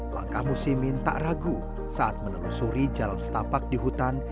langkah musimin tak ragu saat menelusuri jalan setapak di hutan